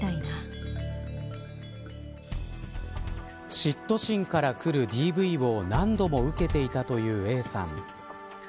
嫉妬心からくるＤＶを何度も受けていたというＡさん。